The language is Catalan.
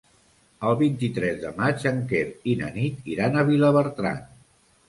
El vint-i-tres de maig en Quer i na Nit iran a Vilabertran.